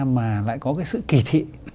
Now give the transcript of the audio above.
mà lại có cái sự kỳ thị